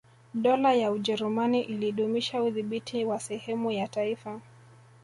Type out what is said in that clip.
Dola ya Ujerumani ilidumisha udhibiti wa sehemu ya taifa